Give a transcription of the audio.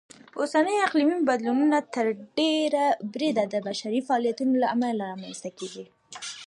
اوسني اقلیمي بدلونونه تر ډېره بریده د بشري فعالیتونو لهامله رامنځته شوي.